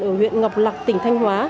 ở huyện ngọc lạc tỉnh thanh hóa